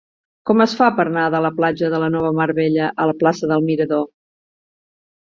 Com es fa per anar de la platja de la Nova Mar Bella a la plaça del Mirador?